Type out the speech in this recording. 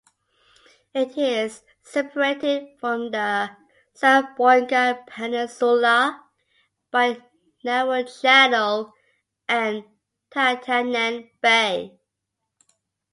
It is separated from the Zamboanga Peninsula by a narrow channel and Tantanang Bay.